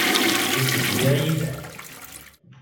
Ur tetteddu ara yid-m?